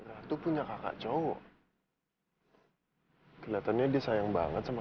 aku sudah ketemu sama mama